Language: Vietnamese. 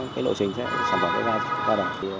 cái nội trình sản phẩm đã ra được